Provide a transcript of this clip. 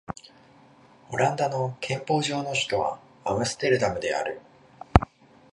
オランダの憲法上の首都はアムステルダムである